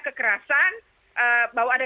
kekerasan bahwa ada